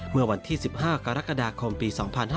เมื่อวันที่๑๕กรกฎาคมปี๒๕๕๙